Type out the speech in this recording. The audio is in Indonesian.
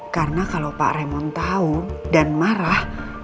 karena kalau pak raymond tau dan marah